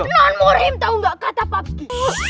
non murim tau gak kata papsky